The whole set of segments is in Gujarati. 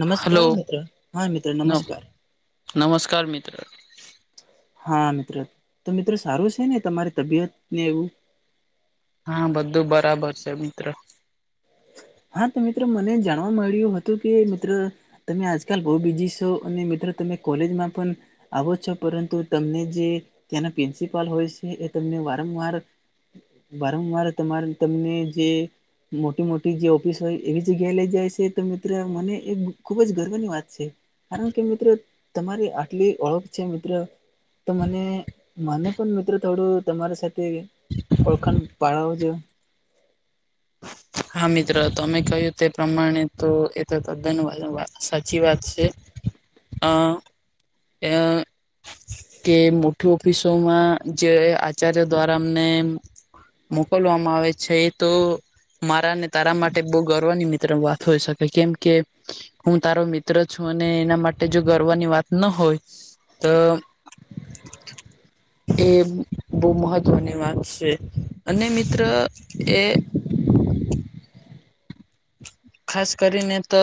નમસ્કાર હલો મિત્ર, હા મિત્ર નમસ્કાર. નમસ્કાર મિત્ર હા મિત્ર, તો મિત્ર સારું છે ને તમારી તબિયતને એવુ હા બધું બરાબર છે મિત્ર. હા તો મિત્રો મને જાણવા મળ્યું હતું કે મિત્ર તમે આજકાલ બહુ બીઝી છો અને મિત્રો તમે કોલેજમાં પણ આવો છો પરંતુ તમને જે ત્યાંના પ્રિન્સિપાલ હોય છે એ તમને વારંવાર વારંવાર તમારે તમને જે મોટી મો જે ઓફિસ હોય એવી જગ્યા લઈ જાય છે તો મિત્ર મને એક ખુબ જ ગર્વની વાત છે. કારણ કે મિત્રો તમારી આટલી ઓળખ છે મિત્ર તો મને મને પણ મિત્રો થોડું તમારા સાથે ઓળખન પાળવજો. હા મિત્ર તમે કહ્યું તે પ્રમાણે તો એ તો તદ્દન વાલા સાચી વાત છે. [inaudible] [unintelligible] હ. [inaudible] [unintelligible] કે મોઠી ઓફિસોમાં જે આચાર્ય દ્વારા અમને મોકલવામાં આવે છે એ તો મારાને તારા માટે બહુ ગર્વની મિત્ર વાત હોય શક કેમ કે હું તારો મિત્ર છું અને એના માટે જો ગર્વની વાત ના હોય તો [inaudible] [unintelligible] એ બહુ મહત્વની વાત છે અને મિત્ર એ ખાસ કરીને તો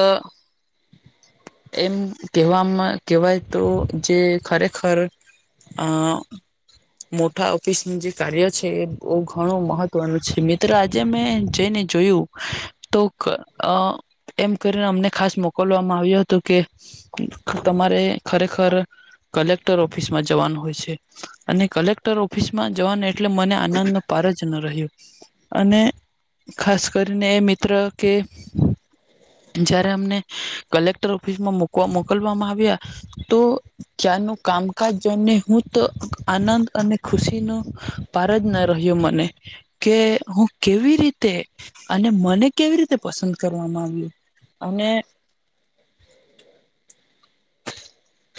એમ કેહેવામાં કેહેવાય તો જે ખરેખર અહ મોટા ઓફિસનું જે કાર્ય છે એ બહુ ઘણું મહત્વનું છે, મિત્ર આજે જઈને જોયું તો ક અહ એમ કરીને અમને ખાસ મોકલવામાં આવ્યા તો કે તમારે ખરેખર કલેક્ટર ઓફિસમાં જવાનું હોય છે. અને કલેક્ટર ઓફિસમાં જવાને એટલે મને આનંદનો પાર જ ન રહ્યો. અને ખાસ કરીને એ મિત્ર કે જયારે અમને કલેક્ટર ઓફિસમાં મોકવા-મોકલવામાં આવ્યા ને તો ક્યાંનું કામકાજ જોઈને હું તો આનંદ અને ખુશીનો પાર જ ન રહ્યું મને. કે હું કેવી રીતે અને મને કેવી રીતે પસંદ કરવામાં આવ્યું. અને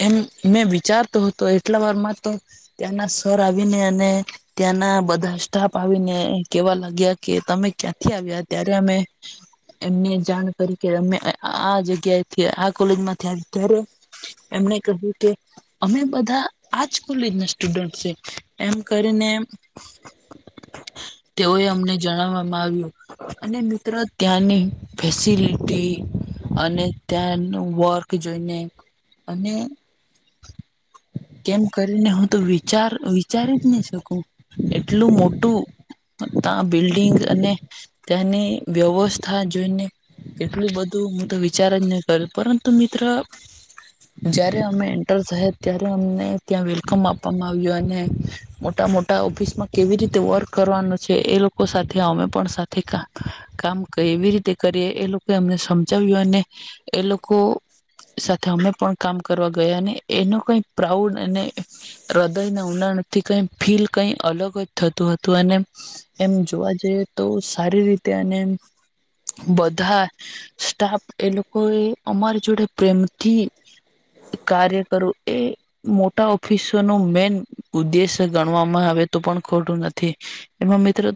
એમ મેં વિચારતો હતો એટલા વારમાં તો ત્યાંના સર આવિને અને ત્યાંના બધા સ્ટાફ આવીને કેવા લાગ્યા કે તમે ક્યાંથી આવ્યા ત્યારે અમે એમને જાણ કરી કે અમે આ આ જગ્યાએ આ કોલેજમાં આવ્યા ત્યારે એમણે કહ્યું કે અમે બધા આજ કોલેજના સ્ટુડન્ટ છે એમ કરીને [inaudible] [unintelligible] તેઓએ અમને જણાવવામાં આવ્યું અને મિત્રો ત્યાંની ફેસિલિટી અને ત્યાં એમનું વર્ક જોઈને અને કેમ કરીને હું તો વિચાર વિચારી જ નહી શકું એટલું મોટું અ તા બિલ્ડિંગ અને ત્યાંની વ્યવસ્થા જોઈને એટલું બધું હું તો વિચાર જ નહી કર્યો પરંતુ મિત્ર જયારે અમે એન્ટર થયા ત્યારે ત્યાં અમને ત્યાં વેલકમ આપવામાં આવ્યો અને મોટા મોટા ઓફિસમાં કેવી રીતે વર્ક કરવાનું છે એ લોકો સાથે અમે પણ સાથે કા કામ કેવી રીતે કરી એ લોકો એમને સમજાવ્યું અને એ લોકો સાથે અમે પણ કામ કરવા ગયા અને એનો કઈ પ્રાઉડ અને હૃદયના ઉનાળથી કઈ ફીલ કઈ અલગ જ થતું હતું અને એમ જોવા જઈએ તો સારી રીતે અને બધા સ્ટાફ એ લોકો એ અમારી જોડે પ્રેમથી કાર્ય કરું એ મોટા ઓફિસરનો મેન ઉદ્દેશ્ય ગણવામાં આવે તો પણ ખોટું નથી. એમાં મિત્રો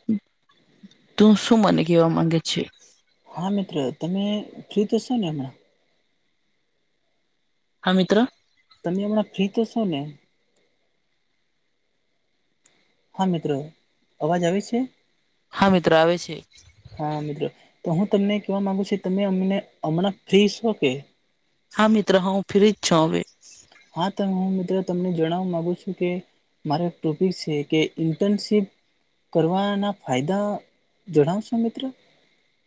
તું શું મને કેવા માંગે છે. હા મિત્ર તમે ફ્રી થશો ને હમણાં હા મિત્ર તમે હમણાં ફ્રી થશો ને હા મિત્ર અવાજ આવે છે. હા મિત્ર આવે છે. હા મિત્ર તો હું તમને કેવા માંગુ છું તમે અમને હમણાં ફ્રી છો કે હા મિત્ર હું ફ્રી જ છું હવે હા તો હું મિત્ર તમને જણાવવા માગુ છું કે મારો એક ટોપિક છે કે ઇન્ટર્નશિપ કરવાના ફાયદા જણાવશો મિત્ર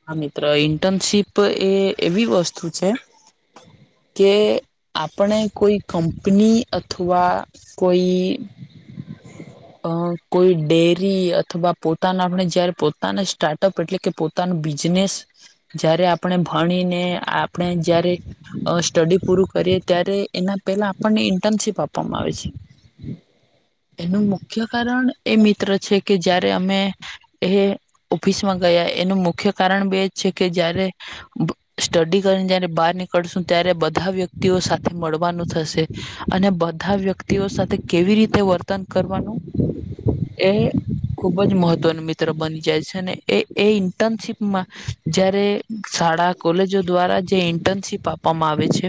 હા મિત્ર ઇન્ટર્નશીપ એ એવી વસ્તુ છે. કે આપણે કોઈ કંપની અથવા કોઈ અ કોઈ ડેરી અથવા પોતાના આપણે જયારે પોતાના સ્ટાર્ટઅપ એટલે કે પો પોતાનું બિઝનેસ જયારે આપણે ભણીને આપણે જયારે અ સ્ટડી પૂરું કરીએ ત્યારે એના પહેલા આપણને ઇન્ટર્નશીપ આપવામાં આવે છે. એનું મુખ્ય કારણ એ મિત્ર છે કે જયારે અમે એ ઓફિસમાં ગયા એનું મુખ્ય કારણ બે જ છે કે જયારે સ્ટડી કરીને જયારે બહાર નીકળશું ત્યારે બધા વ્યક્તિઓ સાથે મળવાનું થશે. અને બધા વ્યક્તિઓ સાથે કેવી રીતે વર્તન કરવાનું. [inaudible] એ ખુબ જ મહત્વનું મિત્ર બની જાય છે ને એ એ ઇન્ટર્નશીપ જયારે શાડા કોલેજ દ્વારા જે ઇન્ટર્નશીપ આપવામાં આવે છે.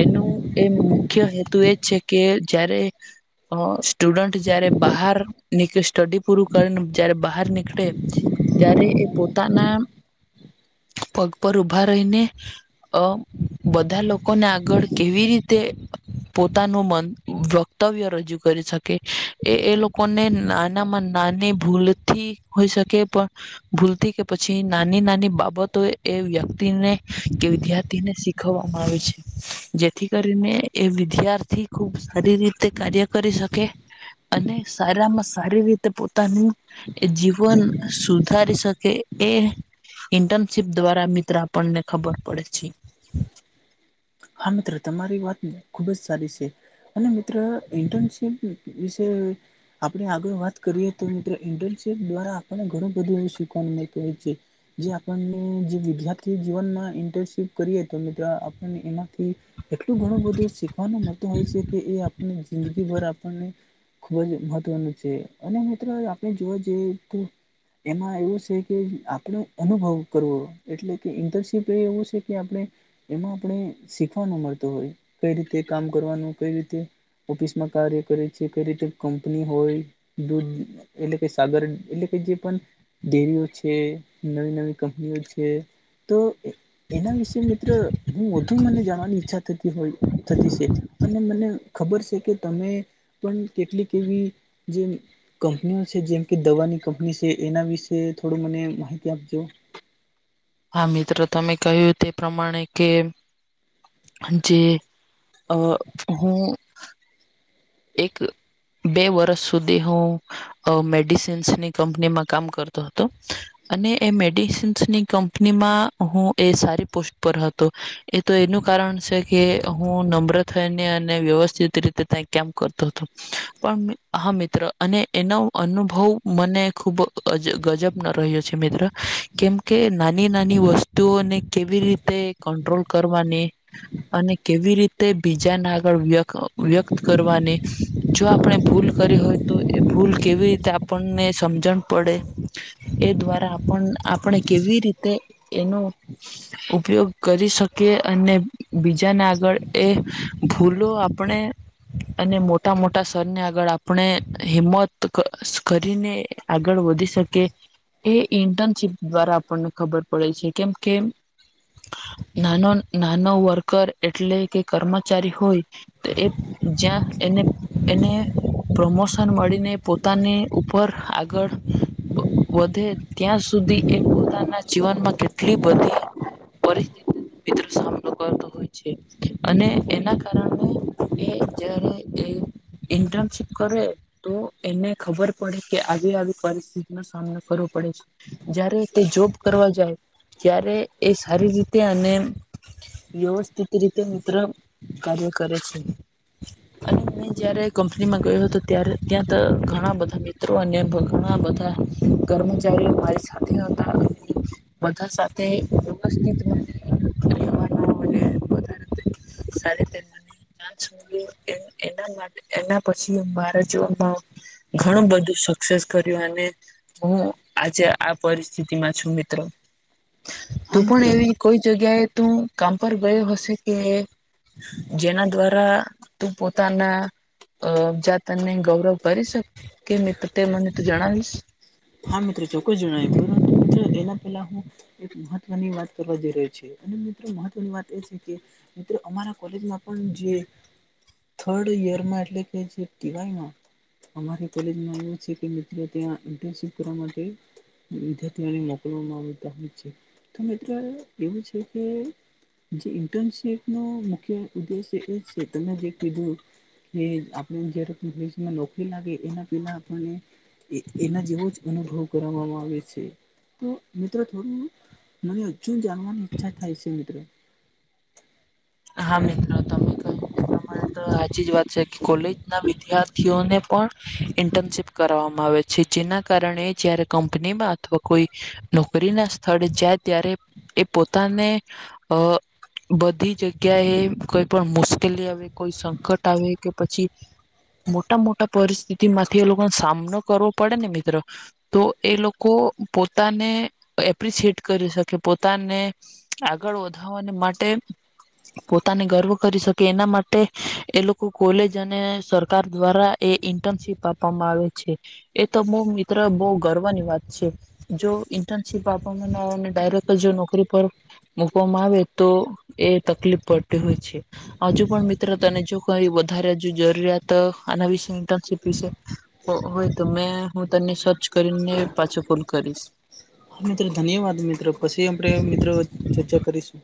એનું એ મુખ્ય હેતુ એ જ છે કે જયારે અ સ્ટુડન્ટ જયારે બહાર નીક સ્ટડી પૂરું કરીને જ્યારે બહાર નીકડે ત્યારે એ પોતાના પગ પર ઊભા રહીને અ બધા લોકોને આગળ કેવી રીતે પોતાનું મન વ કતવ્ય રજૂ કરી શકે. એ એ લોકોને નાના માં નાની ભૂલથી હોઈ શકે પણ ભૂલથી કે પછી નાની નાની બાબતો એ વ્યક્તિને કે વિદ્યાર્થીને શી ખવામાં છે જેથી કરીને એ વિદ્યાર્થી ખુબ સારી રીતે કાર્ય કરી શકે અને સારામાં સારી રીતે પોતાનું એ જીવન સુધારી શકે એ ઇન્ટર્નશીપ દ્વારા મિત્ર આપડને ખબર પડે છે. હા મિત્ર તમારી વાત ખુબ જ સારી છે. અને મિત્ર ઇન્ટર્નશીપ વિશે આપણે આગળ વાત કરીએ તો મિત્ર ઇન્ટનશીપ દ્વારા આપણને ઘણું બધું એવું શીખવાનું મલતું હોય છે. જે આપણને જે વિદ્યાર્થી જીવનમાં ઇન્ટર્નશીપ કરીએ તો મિત્રો આપણને એનાં થી એટલું ઘણું બધું શીખવાનું મળતું હોય છે કે એ આપને જિંદગીભર આપણને ખુબ જ મહત્વનું છે અને મિત્ર આપણે જોવા જઈએ તો એમાં એવું છે કે આપણે અનુભવ કરવો એટલે કે ઇન્ટર્નશીપ એ એવું છે કે આપણે એમાં આપણે શીખવાનું મળતું હોય કઈ રીતે કામ કરવાનું કઈ રીતે ઓફિસમાં કાર્ય કરે છે કઈ રીતે કંપની હોય દૂધ એટલે કે સાગર એટલે કે જે પણ ડેરીઓ છે નવી નવી કંપનીઓ છે તો એના વિશે મિત્ર હું વધુ મને જાણવાની ઈચ્છા થતી હોય થતી છે. અને મને ખબર છે કે તમે પણ કેટલીક એવી જે કંપનીઓ છે જેમ કે દવાની કંપની છે એના વિશે થોડું મને માહિતી આપજો. હા મિત્રો તમે કહ્યું તે પ્રમાણે કે જે અહ હું એક બે વરષ સુધી હું અહ મેડિસિન્સની કંપનીમાં કામ કરતો હ તો અને એ મેડિસન્સની કંપનીમાં હું એ સારી પોસ્ટ પર હ તો એ તો એનું કારણ છે કે હું નમ્ર થઈને અને વ્યવસ્થિત રીતે તઈ કેમ કરતો હતો પણ હા મિત્ર અને એનો અનુભવ મને ખુબ અજ ગજબનો રહ્યો છે. મિત્ર કેમ નાની નાની વસ્તુઓને કેવી રીતે કટ્રોલ કરવાની અને કેવી રીતે બીજાને આગળ વ્યક વ્યક કરવાની જો આપણે ભૂલ કરી હોય તો એ ભૂલ કેવી રીતે આપણને સમજણ પડે એ દ્વારા આપણ-આપણે કેવી રીતે એનો ઉપયોગ કરી શકીએ અને બીજાને આગળ એ ભૂલો આપણે અને મોટા મોટા સરને આગળ આપણે હિંમત કશ કરીને આગળ વધી શકે. એ ઇન્ટર્નશીપ દ્વારા આપણને ખબર પડે છે કેમ કે નાનો નાનો વર્કર એટલે કે કર્મચારી હોય તો એ જ્યાં એને એને પ્રમોશન મળીને પોતાની ઉપર આગળ વ-વધે ત્યાં સુધી એ પોતાના જીવનમાં કેટલી બધી પરિસ્થિતિનો મિત્ર સામનો કરતો હોય છે અને એના કારણે એ જ્યારે એ ઇન્ટનશિપ કરે તો એને ખબર પડે કે આવી આવી પરિસ્થિતિનો સામનો કરવો પડે છે. જયારે તે જોબ કરવા જાય ત્યારે એ સારી રીતે અને વ્યવસ્થિત રીતે મિત્ર કાર્ય કરે છે. અને મેં જયારે કંપનીમાં ગયો હતો ત્યારે ત્યાં ઘણા બધા મિત્રો અને ઘણા બધા કર્મચારીઓ મારી સાથે હતા બધા સાથે ઉપસ્થિત [unintelligible] રહેવાના. [inaudible] સાડે તણ છે એ એના માટે એના પછી મારા જીવનમાં ઘણું બધું સક્સેસ કર્યું અને હું આજે આ પરિસ્થિતિમાં છું મિત્ર. તું હા મિત્ર પણ એવી કોઈ જગ્યાએ તું કામ પર ગયો હશે કે જેના દ્વાર રા તું પોતાના અહ જાતને ગૌરવ કરી શકે મિત્ર તે મને તો જણાવીશ. હા મિત્રો ચોક્કસ જણાવ પરંતુ તેના પેલા હું એક મહત્વની વાત કરવા જઈ રહ્યો અને મિત્રો મહત્વની વાત એ છે કે મિત્ર અમારા કોલેજમાં પણ જે થર્ડ યર માં આટલી બેજતી હોય ને અમારી કોલેજમાં એવ છે કે, મિત્ર ત્યા ઇન્ટનશિપ કરવા માટે વિદ્યાર્થીઓને મોકલવામાં આવતા હોય છે, તો મિત્ર એવું છે કે જે ઇન્ટર્નશીપનો મુખ્ય ઉદ્દેશ્ય એ છે તમે જે કીધું એ આપણે જ્યારે ભવિષ્યમાં નોકરી લાગે એના પેલા આપને એના જેવો જ અનુભવ કરવામાં આવે છે, તો મિત્રો થોડું મને હજું જાણવાની ઈચ્છા થાય છે, મિત્ર હા પરંતુ હાચી જ વાત છે કે, કોલેજના વિદ્યાર્થીઓને પણ ઇન્ટર્નશીપ કરવામાં આવે છે, જેના કારણે જયારે કંપનીમાં અથવા કોઈ નોકરીના સ્થળે જાય ત્યારે એ પોતાને અ બધી [unintelligible] જગ્યા એ કોઈ પણ મુશ્કેલી આવે કોઈ સંકટ આવે કે પછી મોટા મોટા પરિસ્થિતિ માંથી એ લોકોને સામનો કરવો પડે ને મિત્રો તો એ લોકો પોતાને એપ્રિસેટ કરી શકે પોતાને આગળ વધવાને માટે પોતાને ગર્વ કરી શકે એના માટે એ લોકો કોલેજ અને સરકાર દ્વારા એ ઇન્ટર્નશીપ આપવામાં આવે છે, એ તો બહુ મિત્ર બહુ ગર્વની વાત છે. જો ઇન્ટર્નશીપ આપવામાં ના આવે ને ડાયરેક્ટ જ નોકરી પર મૂકવામાં આવે તો એ તકલીફ પડતી હોય છે. હજુ પણ મિત્ર તને જો કઈ વધારે હજુ જરૂરિયાત આના વિશે ઇન્ટર્નશીપ વિશે હોય તો મેં હું તને સર્ચ કરીને પાછો ફોન કરીશ. હા મિત્રો ધન્યવાદ મિત્રો પછી આપણે મિત્રો ચર્ચા કરીશું.